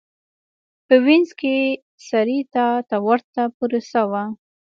په وینز کې سېراتا ته ورته پروسه وه.